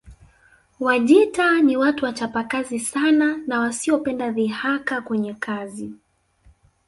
Wajita ni watu wachapakazi sana na wasiopenda dhihaka kwenye kazi